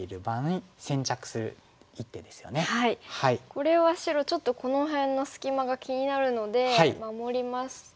これは白ちょっとこの辺の隙間が気になるので守りますと。